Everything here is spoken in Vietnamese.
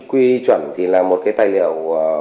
quy chuẩn thì là một cái tài liệu